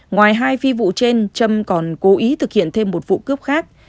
ngoài hai phi vụ trên trâm còn cố ý thực hiện thêm một vụ cướp khác